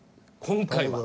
今回は。